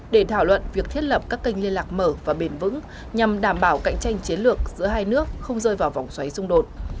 để thảo luận việc thiết lập các kênh liên lạc mở và bền vững nhằm đảm bảo cạnh tranh chiến lược giữa hai nước không rơi vào vòng xoáy xung đột